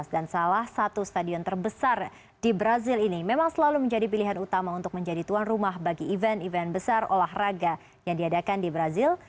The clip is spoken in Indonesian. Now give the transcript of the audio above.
dan salah satu stadion terbesar di brazil ini memang selalu menjadi pilihan utama untuk menjadi tuan rumah bagi event event besar olahraga yang diadakan di brazil